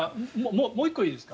もう１個いいですか。